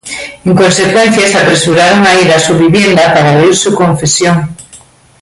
En consecuencia se apresuraron a ir a su vivienda para oír su confesión.